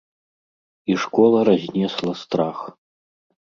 І школа разнесла страх.